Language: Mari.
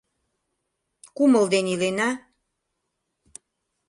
Кумыл ден илена